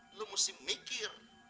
kamu harus berpikir